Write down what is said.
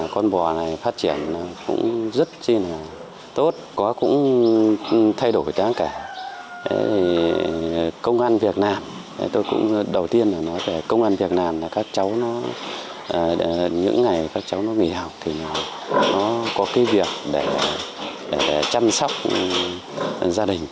công an việt nam tôi cũng đầu tiên nói về công an việt nam là các cháu nó những ngày các cháu nó nghỉ học thì nó có cái việc để chăm sóc gia đình